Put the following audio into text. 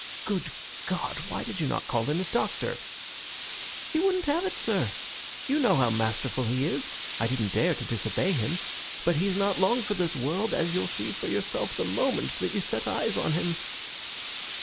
"Good God! Why did you not call in a doctor?" "He wouldn't have it, sir. You know how masterful he is. I didn't dare to disobey him. But he's not long for this world, as you'll see for yourself the moment that you set eyes on him."